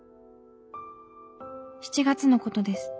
７月のことです。